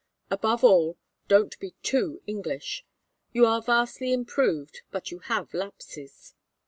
Above all, don't be too English. You are vastly improved, but you have lapses.